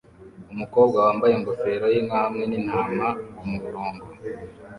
Umukobwa wambaye ingofero yinka hamwe nintama kumurongo